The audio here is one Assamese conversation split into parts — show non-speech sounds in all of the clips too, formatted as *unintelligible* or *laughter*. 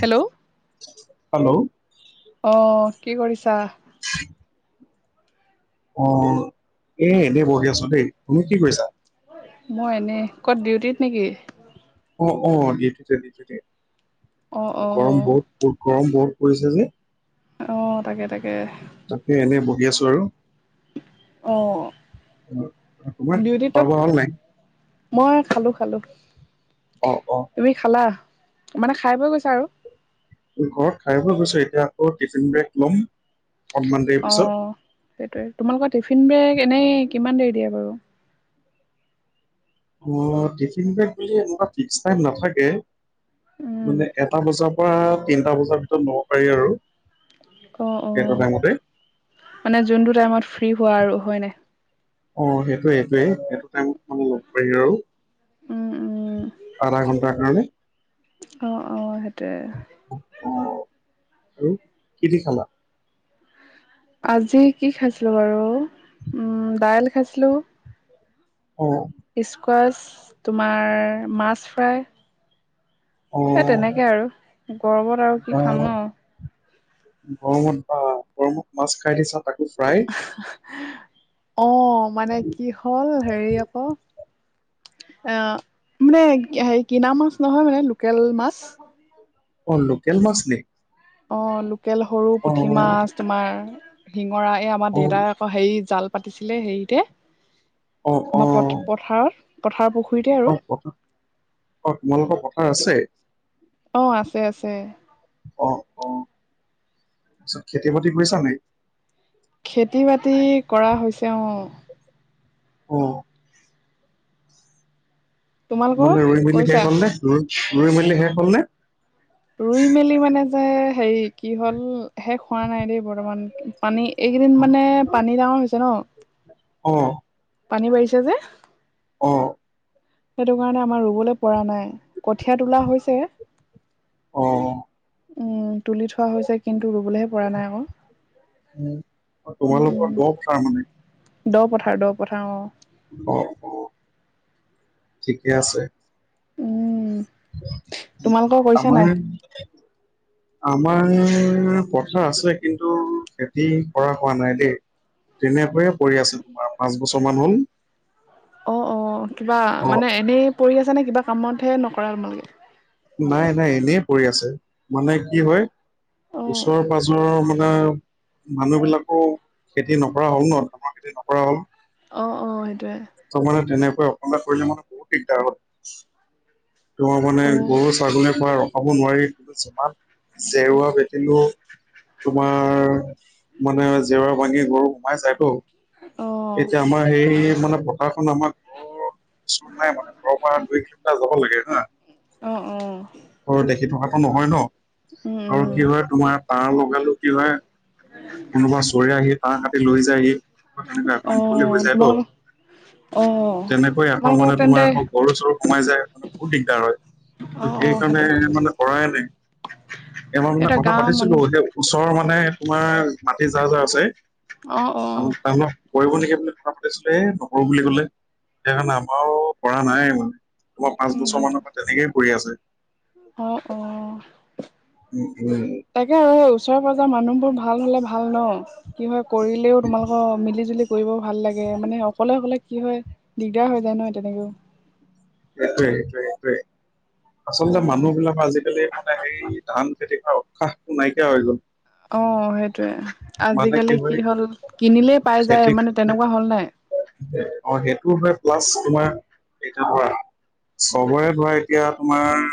হেল্ল'। হেল্ল' অ' কি কৰিছা? *inaudible* অ' এ, এনেই বহি আছোঁ দেই। তুমি কি কৰিছা? মই এনে, ক'ত ডিউটিত নেকি? অ', অ' ডিউটিতে ডিউটিতে। অ অ গৰম বহুত গৰম বহুত পৰিছে যে। অ' তাকে তাকে। তাকে এনে বহি আছোঁ আৰু। অ *unintelligible* ডিউটিত খোৱা বোৱা হ'ল নাই? মই খালোঁ খালোঁ। অ', অ'। তুমি খালা? মানে খাই বৈ গৈছা আৰু। ঘৰত খাই বৈ গৈছোঁ, এতিয়া আকৌ টিফিন ব্ৰেক ল'ম। অকনমান দেৰি অ' পিছত সেইটোয়েই। তোমালোকৰ টিফিন বেগ এনেই কিমান দেৰি দিয়ে বাৰু? মোৰ টিফিন বেগ বুলি এনেকুৱা ফিক্স টাইম নাথাকে উম মানে এটা বজাত পৰা তিনিটা বজাৰ ভিতৰত ল'ব পাৰি আৰু। অ', সেইটো অ' টাইমতে মানে যোনটো টাইমত ফ্ৰী হোৱা আৰু হয় নাই? অ' সেইটোৱে এইটোয়ে, এইটো টাইমত মানে লগ পাৰি আৰু। উ, উ। আধা ঘণ্টাৰ কাৰণে। অ', অ' সেইটোয়ে। *unintelligible* কি দি খালা? আজি কি খাইছিলোঁ বাৰু উম, দাইল খাইছিলো অ'। স্কছ, তোমাৰ মাছ ফ্ৰাই। হেই অ', তেনেকে আৰু, গৰবত আৰু কি বা খাম ন'। গৰমত বা, গৰমত মাছ খাই দি দিছা। তাকো ফ্ৰাই। অ মানে কি হ'ল হেৰি আকৌ অ মানে হেৰি কিনা মাছ নহয় মানে লোকেল মাছ। অ লোকেল মাছ নি? অ লোকেল সৰু অ', পুঠি মাছ তোমাৰ শিঙৰা এই আমাৰ দেউতাই অ হেই জাল পাতিছিলে হেৰিতে অ', আমাৰ প অ', পথাৰত পথাৰৰ পুখুৰীতে। আৰু অ পথাৰ অ তোমালোকৰ পথাৰ আছে? অ আছে আছে। অ অ তাৰপিছত খেতি বাতি কৰিছা নাই? খেতি বাতি কৰা হৈছে অ অঁ তোমালোকৰ মানে ৰুই মেলি কৰিছা শেষ হল নে ৰই ৰুই মেলিলি শেষ হলনে? ৰুই মেলি মানে যে হেৰি কি হ'ল শেষ হোৱা নাই দেই বৰ্তমান পানী। এইকেইদিন অ', মানে পানী ডাঙৰ হৈছে ন। উম পানী বাঢ়িছে যে। অ সেইটো কাৰণে আমাৰ ৰুবলৈ পৰা নাই কঠীয়া তোলা হৈছে এ অঁ অ উম তুলি থোৱা হৈছে কিন্তু ৰৰুবলৈহে, পৰা নাই আক, উম। অ', উম তোমালোকৰ দ উম পথাৰ মানে দ পথাৰ দ পথাৰ অ অ অ ঠিকে আছে। উম তোমালোকৰ কৰিছা আমাৰ নাই, আমাৰ পথাৰ আছে, কিন্তু খেতি কৰা হোৱা নাই দেই। তেনেকৈয়ে কৰি আছে তোমাৰ পাঁচ বছৰ মান হল। অ অ কিবা অ মানে এনেই পৰি আছ নে কিবা কামতহে নকৰা তোমালোকে।, নাই নাই এনেই পৰি আছে মানে কি হয় অ ওচৰ পাজৰৰ মানে মানুহ বিলাকো খেতি নকৰা হ'ল ন ধানৰ খেতি নকৰা হ'ল। অ অ সেইটোৱে মানে তেনেকৈ অকলে কৰিলে মানে বহুত দিগদাৰ হয়। ত মানে অ গৰু ছাগলীৰ পৰা ৰখাব নোৱাৰি যিমান জেৰুৱা ভেটিলেও তোমাৰ মানে জেৰুৱা ভাঙি গৰু সোমাই যায়তো। অ এতিয়া আমাৰ সেই মানে পথাৰখন আমাৰ ঘৰৰ ওচৰত নাই মানে ঘৰৰ পৰা দুই কিলোমিটাৰ যাব লাগে। হা অ অ দেখি থকাতটো নহয় ন উম আৰু উম কি হয় তোমাৰ তাঁৰ লগালে কি হয় কোনোবা চুৰে আহি তাঁৰ কাতি লৈ যায়হি। তেনেকুৱা এখন আকৌ অ মুকলি হৈ যায় তোমালোকৰ অ ত' তেনেকৈ আকৌ তোমালোকৰ মানে তোমাৰ তেন্তে আকৌ গৰু চৰু সোমাই যায় মানে বহুত দিগদাৰ হয় ত' অ অ সেইকাৰণে সেইটো সেইটোৱে মানে কৰাই নাই এই মাহত মানে এটা কথা গাঁৱৰ পাতিছিলোঁ মানুহ এতিয়া ওচৰৰ মানে তোমাৰ মাটি জাৰ জাৰ আছে অ অ তাৰ কৰিব নেকি বুলি কথা পাতিছিলো এই নকৰো বুলি কলে সেইকাৰণে আমাৰো পৰা নাই মানে। তোমাৰ পাঁচ উম বছৰ সেইটো মানৰ পৰা তেনেকেই কৰি আছে। অ', অ'। উম, উম, তাকে আৰু ওচৰ-পাঁজৰ মানুহবোৰ ভাল হ'লে ভাল ন, কি হয় কৰিলেও তোমালোকৰ মিলি-জুলি কৰিব ভাল লাগে, মানে অকলে, অকলে কি হয় দিগদাৰ হৈ যায় নহয় তেনেকেও। এইটোৱে, এইটোৱে, এইটোৱে। আচলতে, অ', মানুহ বিলাকৰ আজিকালি মানে, হেৰি ধান খেতি কৰা উৎসাহটো নাইকিয়া হৈ গ'ল। অ', সেইটোৱে, মানে আজিকালি কি হয় হ'ল কিনিলেই পাই যায় খেতি মানে তেনেকুৱা হ'ল নাই। অ', সেইটো হয়। প্লাছ তোমাৰ এতিয়া ধৰা চবৰে ধৰা এতিয়া তোমাৰ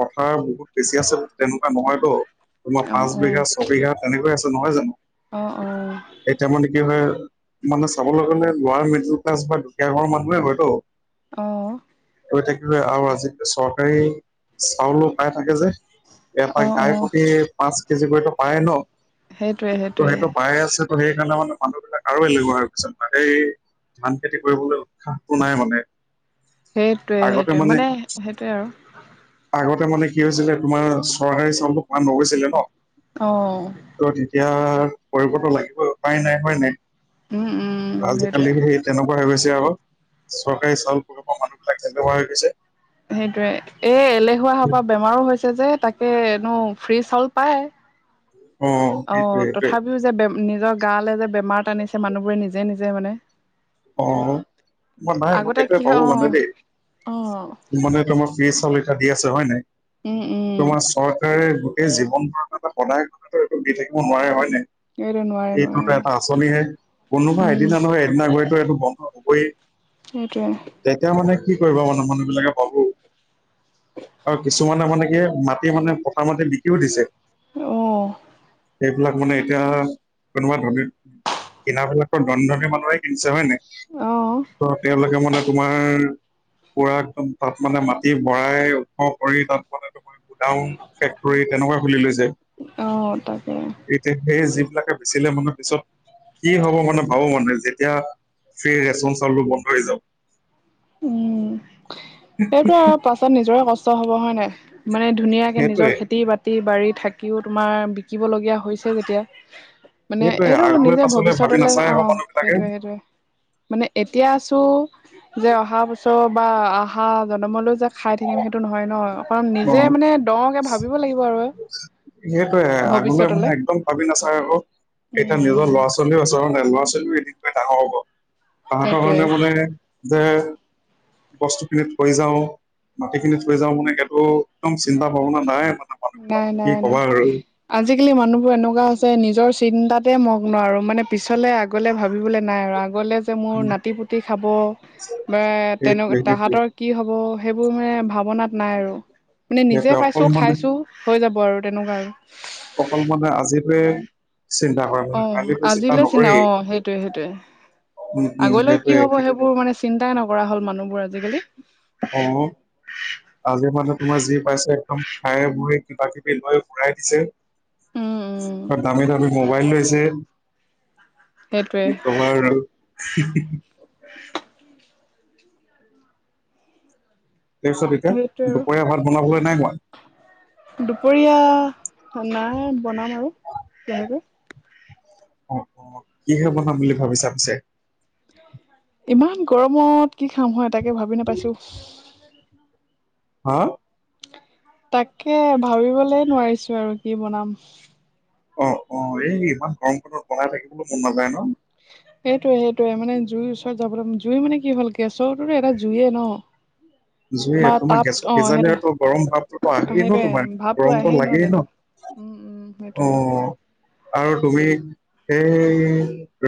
পথাৰ বহুত বেছি আছে, তেনেকুৱা নহয়তো। তোমাৰ অ', পাঁচ অ', বিঘ, ছয় বিঘা তেনেকে আছে নহয় জনো। অ', অ'। এতিয়া মানে কি হয়, মানে চাবলৈ গ'লে, লোৱাৰ মিডল ক্লাচ বা দুখীয়া ঘৰ মানুহে হয়তো। অ'। গৈ থাকিলে, আৰু আজিকালি চৰকাৰী চাউলো পাই থাকে যে। এটাই অ', গাই অ', প্ৰতি পাঁচ কেজি কৈতো পায়ে ন, সেইটোৱে ত সেইটোৱে সেইটো পায়ে আছে। ত' সেইকাৰণে মানে, মানুহবিলাক আৰু এলেহুৱা হৈ চব তাতেই, এই ধান খেতি কৰিবলৈ উৎসাহটো নাই মানে। সেইটোৱে, সেইটোৱে মানে সেইটোৱে আৰু। আগতে মানে কি হৈছিলে, তোমাৰ চৰকাৰী চাউলতো পোৱা নগৈছিলে ন। অ'। তেতিয়া কৰিবটো লাগিবই, উপায় নাই হয় নাই উম, উম, সেইটোৱে। আজিকালি সেই তেনেকুৱা হৈ গৈছে আকৌ, চৰকাৰী চাউল পোৱা পৰা মানুহ বিলাক এলেহুৱা হৈ গৈছে। সেইটোয়ে, এ এলেহুৱা হোৱা পৰা বেমাৰো হৈছে যে তাকে নো ফ্ৰী চাউল পায়। *inaudible* সেইটোৱে অ', সেইটোৱে তথাপিও যে নিজৰ গা লৈ যে, বেমাৰ টানিছে মানুহবোৰে নিজে, নিজে মানে। অ', মই নাই, মই আগতে এইটোৱে কি হয় ভাবো অ মানে দেই। অ মানে তোমাৰ ফ্ৰী চাউল এতিয়া দি আছে হয় নাই। উম, উম। তোমাৰ চৰকাৰে গোটেই জীৱন-মৰণলৈ সদায় এইটো দি থাকিব নোৱাৰে হয় নাই। এইটো নোৱাৰে নোৱাৰে এইটোতো অ এটা আঁচনিহে, কোনোবা উম এদিনা নহয় এ এদিনা গৈটো এইটো বন্ধ হ'বই। সেইটোৱে। তেতিয়া মানে, কি কৰিব মানে মানুহ বিলাকে ভাবোঁ। আৰু কিছুমানে মানে কি, মাটি মানে পথাৰৰ মাটি বিকিও দিছে। অ'। সেইবিলাক মানে এতিয়া, কোনোবা ধনী কিনাবিলাকতো ধনী, ধনী মানুহে কিনিছে হয় নাই। অ ত' তেওঁলোকে মানে তোমাৰ পুৰা তাত মানে, মাটি ভৰাই ওখ কৰি তাত তাতে তোমাৰ, গুডাউন, ফেক্টৰী তেনেকুৱা খুলি লৈছে। অ তাকে এতিয়া সেই, যিবিলাকে বেচিলে মানে পিছত কি হ'ব মানে ভাবো মানে, যেতিয়া ফ্ৰী ৰেচন চাউলবোৰ বন্ধ হৈ যাব। উম, সেইটো আৰু পাছত নিজৰে কষ্ট হ'ব হয় নাই। মানে ধুনীয়াকৈ সেইটোৱে নিজৰ খেতি-বাতি-বাৰী থাকিও তোমাৰ বিকিব লগীয়া হৈছে যেতিয়া মানে সেইটোয়ে এইটো আগলৈ নিজে পাছলৈ ভাবি ভৱিষ্যতলৈ নাচায় আকৌ অঁ মানুহ বিলাকে। সেইটোৱে সেইটোৱে মানে এতিয়া আছোঁ যে আহা বছৰ বা আহা জনমলৈ যে খাই থাকিম সেইটো নহয় ন অকণ নিজে মানে দওঁকে ভাবিব লাগিব আৰু সেইটোয়ে আগলৈ মানে ভৱিষ্যতলে একদম ভাবি নাচায় আকৌ উম এতিয়া নিজৰ উম ল'ৰা ছোৱালী চলি আছ হয় নে ল'ৰা ছোৱালীও এদিন গৈ ডাঙৰ হ'ব তাহাঁতৰ সেইটোৱে কাৰণে মানে যে বস্তু খিনি থৈ যাওঁ মাটিখিনি থৈ যাওঁ বুলি সেইটো একদম চিন্তা ভাৱনা নাই মানে। মানুহবিলাক নাই কি নাই নাই ক'বা আৰু। আজিকালি মানুহবোৰ এনেকুৱা হৈছে নিজৰ চিন্তাতে মগ্ন আৰু মানে পিছলে আগ গলে ভাবিবলৈ নাই আৰু আগলৈ যে মোৰ উম। নাতি পুতি খাব বা তেনেক সেইটোৱে সেইটোৱে তাহাঁতৰ কি হ'ব সেইবোৰ মানে ভাৱনাত নাই আৰু মানে নিজে সেইটোৱে পাইছো অকল মানে খাইছো হৈ যাব আৰু তেনেকুৱা আৰু অকল মানে আজিটোৱে চিন্তা কৰে মানে অহ কাইলৈতো চিন্তা আজিলৈ চিনা নকৰেই অ সেইটোয়ে সেইটোয়ে উম উম আগলৈ কি সেইটোৱে হব সেইবোৰ মানে চিন্তাই নকৰা হল মানুহবোৰ আজিকালি অ আজিয়ে মানে তোমাৰ যি পাইছে একদম খাই বৈ কিবা কিবি লৈ উৰাই দিছে উম উম *unintelligible* দামী দামী মোবাইল লৈছে সেইটোৱে কি কবা আৰু তাৰপিছত এতিয়া সেইটোৱে আৰু দুপৰীয়া ভাত বনাবলৈ নাই হোৱা দুপৰীয়া নাই বনাম আৰু লাহেকে কিহে বনাম বুলি ভাবিছা পিছে ইমান গৰমত কি খাম হয় তাকে ভাবি নাপাইছো হা তাকে ভাবিবলে নোৱাৰিছো আৰু কি বনাম অ অ এই ইমান গৰম খনত বনাই থাকিবলৈ মন নাযায় ন সেইটোৱে সেইটোৱে মানে জুইৰ ওচৰত যাবলৈ জুই মানে কি হ'ল গেছৰটোতো এটা জুইয়ে ন জুই *unintelligible* বা তোমাৰ গেছত তাপ অ সিজালে তো গৰম ভাৱটোতো সেইটোৱে আহেই ন সেইটোৱে তোমাৰ ভাৱটো গৰমটো আহেই ন লাগেই জেনেও উম উম অ সেইটোয়ে আৰু তুমি সেই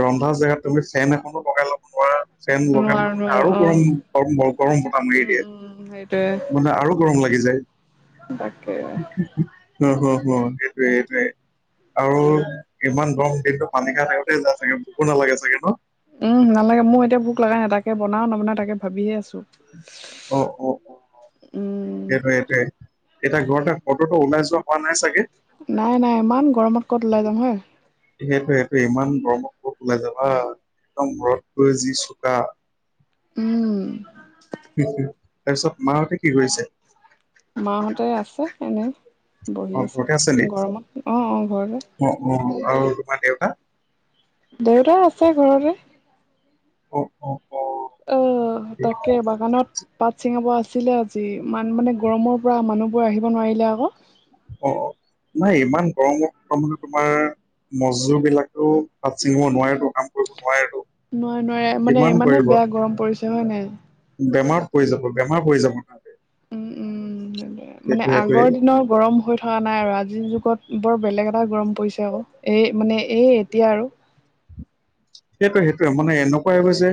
ৰন্ধা জেগাত তুমি ফেন এখনো লগাই ল'ব পৰা ফেন লগাই নোৱাৰো মানে নোৱাৰো আৰু অ গৰম গৰম বতাহ মাৰি উম দিয়ে উম সেইটোৱে মানে আৰু গৰম লাগি যায় তাকে হ হ হ সেইটোৱে সেইটোৱে আৰু ইমান গৰম দিনতো পানী খাই থাকোতে যায় চাগে ভোকো নালাগে চাগে ন উম নালাগে মোৰ এতিয়া ভোক লগা নাই তাকে বনাম নবনাও তাকে ভাবিহে আছো অ অ অ উম সেইটোৱে সেইটোৱে এতিয়া ঘৰতে ক'তটো ওলাই যোৱা হোৱা নাই চাগে নাই নাই ইমান গৰমত ক'ত ওলাই যাম হয় সেইটোৱে সেইটোৱে ইমান গৰমত ক'ত ওলাই যাবা একদম ৰ'দটোৱে যি চোকা উম তাৰ পিছত মাহঁতে কি কৰিছে মাহঁতে আছে এনেই বহি অ', আছে ঘৰতে নি? গৰমত অ অ ঘৰতে অ অ আৰু তোমাৰ দেউতা দেউতা আছে ঘৰতে অ অ অ' অহ তাকে অ' বাগানত পাত চিঙাব আছিলে আজি মান মানে গৰমৰ পৰা মানুহবোৰ আহিব নোৱাৰিলে আক অ নাই ইমান গৰমত ত মানে তোমাৰ মজজুৰ বিলাকো পাত চিঙিব নোৱাৰেতো কাম কৰিব নোৱাৰেতো নোৱাৰে নোৱাৰে মানে কিমান ইমানে কৰিব বেয়া গৰম পৰিছে হয় নাই বেমাৰত পৰি যাব বেমাৰ পৰি যাব উম মানে সেইটোৱে আগৰ দিনৰ গৰম হৈ থকা নাই আৰু আজিৰ যুগত বৰ বেলেগ এটা গৰম পৰিছে আকৌ এই মানে এই এতিয়া আৰু সেইটোৱে সেইটোৱে মানে এনেকুৱাই হৈ গৈছে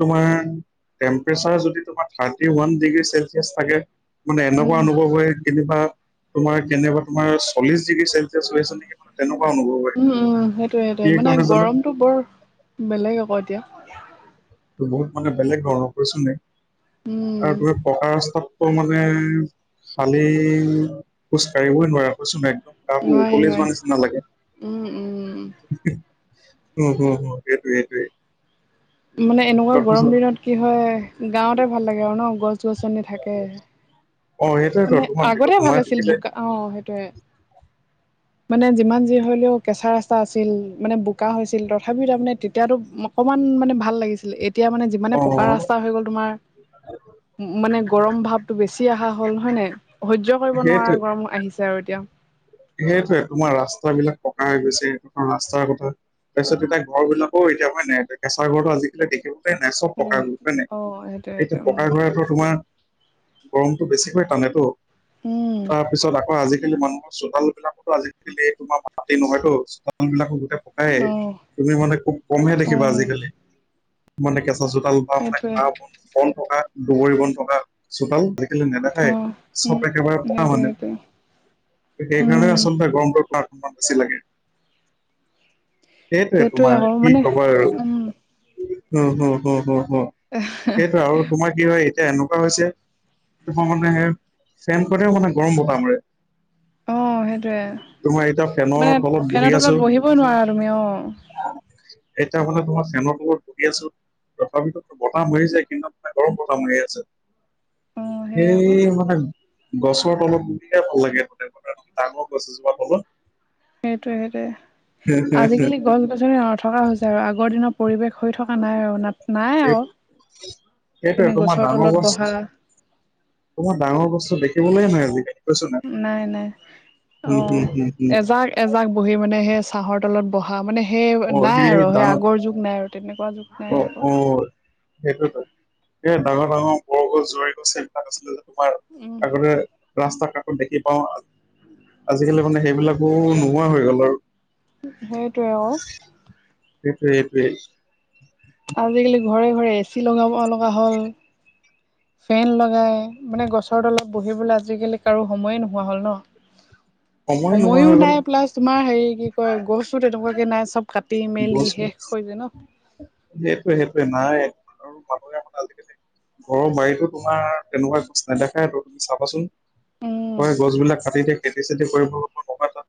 তোমাৰ টেম্পাৰেচাৰ যদি তোমাৰ থাৰ্টি ওৱান ডিগ্ৰী চেলচিয়াছ থাকে মানে এনেকুৱা উম অনুভৱ হয় কেনিবা তোমাৰ কেনেবা তোমাৰ চল্লিশ ডিগ্ৰী চেলচিয়াচ হৈছে নেকি তেনেকুৱা অনুভৱ হয় উম উম সেইটোৱে কি সেইটোৱে মানে কাৰণে জানো গৰমটো বৰ বেলেগ আকৌ এতিয়া বহুত মানে বেলেগ ধৰণৰ কৈছোনে উম আৰু তোৰ পকা ৰাস্তাত ত মানে খালী খোজ কঢ়িবই নোৱাৰে কৈছো নাই একদম গাটো নোৱাৰি উতলি নোৱাৰি যোৱা নিচিনা লাগে উম উম উম হুম সেটোৱে সেটোৱে মানে এনেকুৱা গৰম দিনত কি হয় গাওঁতে ভাল লাগে আৰু ন গছ গছনি থাক কে অ সেইটোৱেতো মানে তোমাৰ ভিতৰত আগতে ভাল সোমাই আছিল থাকিলে বোকা অ সেইটোৱে *inaudible* মানে যিমান যি হলেও কেঁচা ৰাস্তা আছিল মানে বোকা হৈছিল তথাপিও তাৰমানে তেতিয়াতো অকণমান মানে ভা ভাল লাগিছিলে এতিয়া মানে যিমানে অ পকা ৰাস্তা হৈ গ'ল তোমাৰ মানে গৰম ভাৱতো বেছি আহা হল হয় নাই সহ্য কৰিব নোৱাৰা সেইটোৱে গৰম আহিছে এ আৰু এতিয়া সেইটোৱে তোমাৰ ৰাস্তাবিলাক পকা হৈ গৈছে ৰাস্তাৰ কথা তাৰপিছত তেতিয়া ঘৰ বিলাকো এতিয়া হয় নাই কেঁচাৰ ঘৰটো আজিকালি দেখিব হয় নাই চব পকা ঘৰ হয় নাই অ সেইটোৱে সেইটোৱে এতিয়া পকা উম ঘৰটোৰ তোমাৰ গৰমটো বেছিকৈ টানেতো উম তাৰপিছত আকৌ আজিকালি মানুহ চোতাল বিলাকতো আজিকালি তোমাৰ মাতি নহয়তো চোতাল বিলাকো গোটেই প কাই অ তুমি মানে খুব কমহে অ দেখিবা আজিকালি মানে কেঁচা চোতাল সেইটোৱে *unintelligible* বন থকা দুবৰি বন থকা চোতাল অ নেদেখাই চব উম একেবাৰে পকা সেইটোৱে মানে সেইটোৱে সেইকাৰণে উম আচলতে গৰমটোত তাৰ অকমান বেছি লাগে সেইটোৱে তোমাৰ আকৌ কি মানে কবা আৰু উম হুম হুম হুম হুম হুম সেইটো আৰু তোমাৰ কি হয় এতিয়া এনেকুৱা হৈছে মানে সে ফেনখনেও মানে গৰম বতাহ মাৰে অ সেইটোয়ে তোমাৰ এতিয়া ফেনৰ মানে তলত বহি ফেনৰ তলত আছো বহিবই নোৱাৰা তুমি অ এতা হলে বহা ফেনত বহি আছো তথাপিতো বতাহ মাৰিছে কিন্তু গৰম বতাহ মাৰি আছে অ সেই আকৌ হেই মহান গছৰ তলত বহিহে ভাল লাগে ততে ডাঙৰ গছ এজোপা তলত সেইটোয়ে সেইটোয়ে আজিকালি সেই গছ গছনি নথকা হৈছে হয় আগৰ দিনৰ পৰিৱেশ হৈ থকা নাই আৰু নাত এই এইটোৱে তোমাৰ গছৰ ডাঙৰ তলত বহা গছ তোমাৰ ডাঙৰ বস্তু দেখিবলে নাই আজি কালি নাই নাই অ হুম, হুম, হুম। এজাক এজাক বহি মানে সেই চাহৰ তলত বহা মানে সেই অ', নাই আৰু সেই ডাঙৰ আগৰ যুগ নাই আৰু তেনেকুৱা যুগ নাই আকৌ সেইটোৱেতো এ ডাঙৰ ডাঙৰ বৰগছ জৰীগছ সেই বিলাক আছিলে যে তোমাৰ উম আগতে ৰাস্তাৰ কাষ দেখি পাওঁ আজিকালি মানে সেইবিলাকো নোহোৱা হৈ গ'ল আৰু সেইটোৱে অ এইটোৱে এইটোৱে আজিকালি ঘৰে ঘৰে এ চি লগাব লগা হ'ল ফেন লগাই মানে গছৰ তলত বহিবলে আজিকালি কাৰো সময়ে নোহোৱা হ'ল ন সময় নোহোৱা সময়ো হৈ গ'ল নাই প্লাছ তোমাৰ হেৰি কি কয় গছো তেনেকুৱাকে নাই চব কাটি মেলি গছ শেষ কৰি দিলে ন সেইটোৱে সেইটোয়ে নাই *unintelligible* ঘৰৰ বাৰীতো তোমাৰ তেনেকুৱা গছ নেদেখাইতো তুমি চাবাচোন উম হয় গছবিলাক কাটি এতিয়া খেতি চেতি কৰিব নহয় তাত